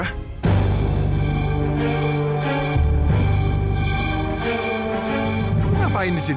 kamu ngapain disini